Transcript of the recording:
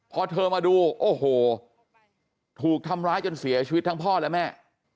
พอเธอมาดูโอ้โหถูกทำร้ายจนเสียชีวิตทั้งพ่อและแม่